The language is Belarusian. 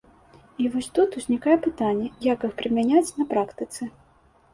І вось тут узнікае пытанне, як іх прымяняць на практыцы.